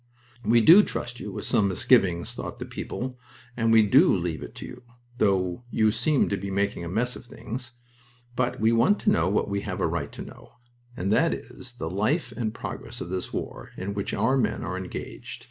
"We do trust you with some misgivings," thought the people, "and we do leave it to you though you seem to be making a mess of things but we want to know what we have a right to know, and that is the life and progress of this war in which our men are engaged.